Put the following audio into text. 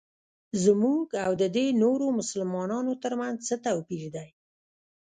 زموږ او ددې نورو مسلمانانو ترمنځ څه توپیر دی.